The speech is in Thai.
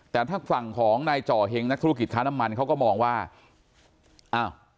แต่ถ้าฝั่งของนายจ่อเห็งนักธุรกิจค้าน้ำมันเขาก็มองว่าอ้าว